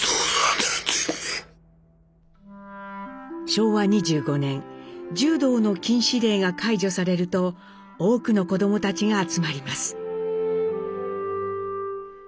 昭和２５年柔道の禁止令が解除されると多くの子どもたちが集まります。